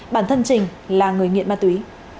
bản thân trình là người nghiện ma túy